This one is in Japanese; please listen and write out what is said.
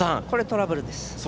これ、トラブルです。